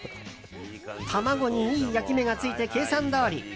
卵にいい焼き目がついて計算どおり。